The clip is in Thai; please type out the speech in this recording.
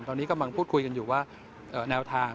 ตอนนี้กำลังพูดคุยกันอยู่ว่าแนวทาง